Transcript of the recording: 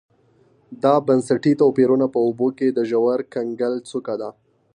دا بنسټي توپیرونه په اوبو کې د ژور کنګل څوکه ده